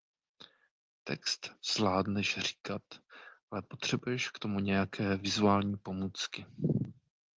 Text zvládneš říkat, ale potřebuješ k tomu nějaké vizuální pomůcky.